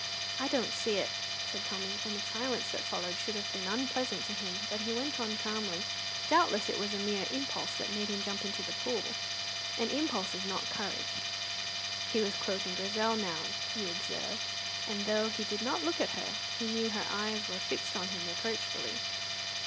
"I don't see it," said Tommy, and the silence that followed should have been unpleasant to him; but he went on calmly: "Doubtless it was a mere impulse that made him jump into the pool, and impulse is not courage." He was quoting Grizel now, you observe, and though he did not look at her, he knew her eyes were fixed on him reproachfully.